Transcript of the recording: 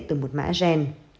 từ một mã gen